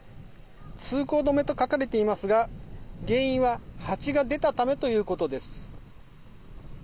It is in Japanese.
通行止めと書かれていますが原因はハチが出たためということです。